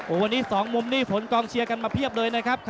วันนี้๒มุมนี้ผลกองเชียร์กันมาเพียบเลยนะครับ